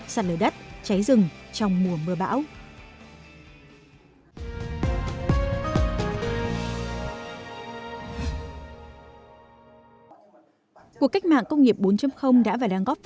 sạt lửa đất cháy rừng trong mùa mưa bão